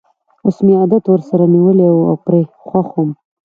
اوس مې عادت ورسره نیولی وو او پرې خوښ وم.